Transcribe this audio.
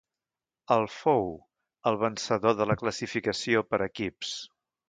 El fou el vencedor de la classificació per equips.